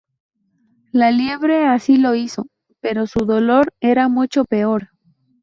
La liebre así lo hizo, pero su dolor era mucho peor.